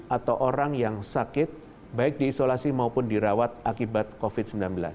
atau orang yang sakit baik diisolasi maupun dirawat akibat covid sembilan belas